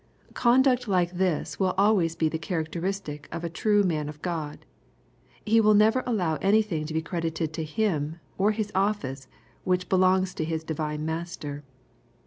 Conduct like this will always be the characteristic of a true " man of God." He will never allow anything to be credited to him, or his office, which belongs to his divine Master.